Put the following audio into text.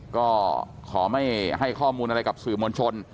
ก็ขอไม่ให้ข้อมูลอะไรกับสื่อมวลชน